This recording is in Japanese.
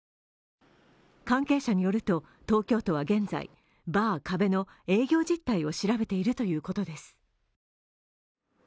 関係者によると、東京都は現在バー「壁」の営業実態を調べているということです。